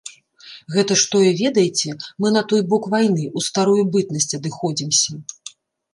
Гэта ж тое ведайце, мы на той бок вайны, у старую бытнасць адыходзімся.